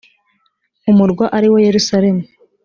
umurwa ari wo yerusalemu